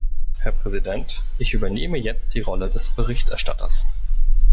Herr Präsident, ich übernehme jetzt die Rolle des Berichterstatters.